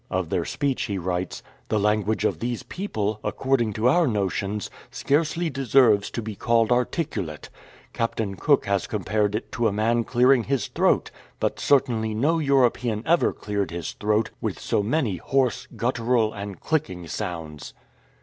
Of their speech he writes :" The language of these people, according to our notions, scarcely deserves to be called articulate. Captain Cook has compared it to a man clearing his throat, but cer tainly no European ever cleared his throat with so many hoarse, guttural, and clicking sounds."